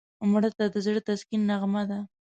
مړه ته د زړه تسکین نغمه ده